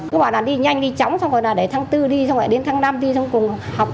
cứ bảo là đi nhanh đi chóng xong rồi là để tháng bốn đi xong rồi lại đến tháng năm đi xong rồi cùng học